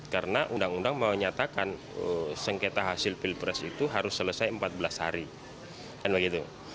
karena undang undang menyatakan sengketa hasil pilpres itu harus selesai empat belas hari kan begitu